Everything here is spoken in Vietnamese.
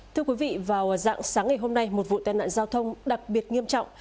thưa quý vị vào dạng sáng ngày hôm nay một vụ tai nạn giao thông đặc biệt nghiêm trọng